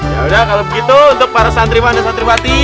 yaudah kalau begitu untuk para santriwan dan santriwati